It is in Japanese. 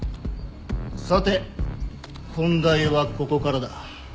さて本題はここからだ。